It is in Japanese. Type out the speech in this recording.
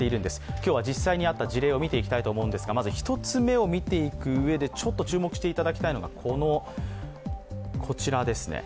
今日は実際にあった事例を見ていきたいと思うんですがまず１つ目を見ていくうえでちょっと注目していただきたいのがこちらですね。